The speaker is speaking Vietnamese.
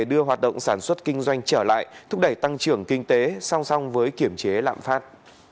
đưa hoạt động sản xuất kinh doanh trở lại thúc đẩy tăng trưởng kinh tế song song với kiểm chế lạm phát